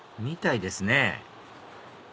みたいですね